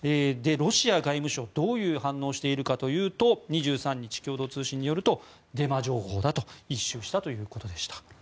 ロシア外務省、どういう反応をしているかというと２３日、共同通信によるとデマ情報だと一蹴したということでした。